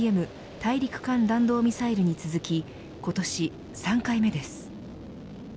大陸間弾道ミサイルに続き今年３回目です。